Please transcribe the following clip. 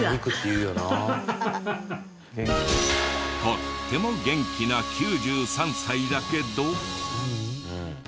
とっても元気な９３歳だけど。